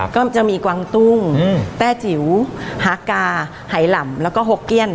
ก็จะมีกวางตุ้งแต้จิ๋วฮากาไหล่ำแล้วก็หกเกี้ยน